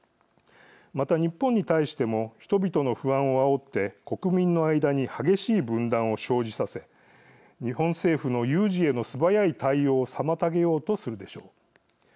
また、日本に対しても人々の不安をあおって国民の間に激しい分断を生じさせ日本政府の有事への素早い対応を妨げようとするでしょう。